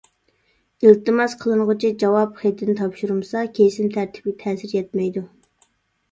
ئىلتىماس قىلىنغۇچى جاۋاب خېتىنى تاپشۇرمىسا، كېسىم تەرتىپىگە تەسىر يەتمەيدۇ.